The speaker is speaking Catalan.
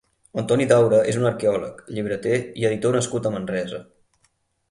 Antoni Daura és un arqueòleg, llibreter i editor nascut a Manresa.